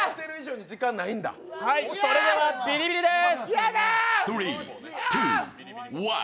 それではビリビリです。